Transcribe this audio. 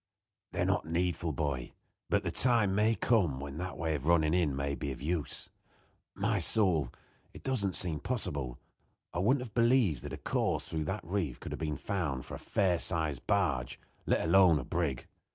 "They're not needful, boy. But the time may come when that way of running in may be of use. My soul! it doesn't seem possible. I wouldn't have believed that a course through that reef could have been found for a fair sized barge, let alone a brig.